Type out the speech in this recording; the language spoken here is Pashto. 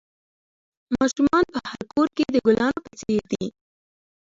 ماشومان په هر کور کې د گلانو په څېر دي.